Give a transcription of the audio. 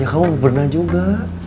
ya kamu bebenah juga